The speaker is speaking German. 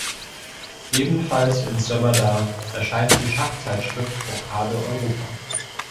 Ebenfalls in Sömmerda erscheint die Schachzeitschrift Rochade Europa.